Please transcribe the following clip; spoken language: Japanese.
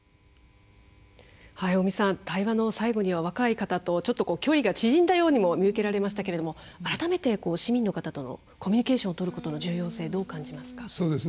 尾身さん、対話の最後には若い方と距離が縮んだようにも見受けられましたけど改めて市民の方とコミュニケーションをとることの重要性、どう感じましたか。